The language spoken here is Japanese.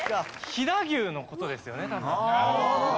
飛騨牛の事ですよね多分。